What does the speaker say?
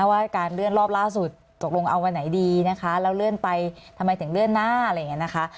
ว่าการเลื่อนรอบล่าสุดตกลงเอาวันไหนดีนะคะแล้วเลื่อนไปทำไมถึงเลื่อนหน้าอะไรอย่างนี้นะคะ